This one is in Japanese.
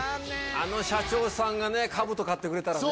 あの社長さんがね、かぶと買ってくれたらね。